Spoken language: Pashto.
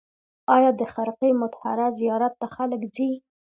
آیا د خرقه مطهره زیارت ته خلک ځي؟